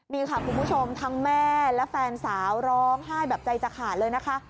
นี่ค่ะคุณผู้ชมทั้งแม่และแฟนสาวร้องไห้แบบใจจะขาดเลยนะคะ